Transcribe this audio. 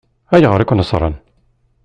Ayɣer i ken-ṣṣṛen?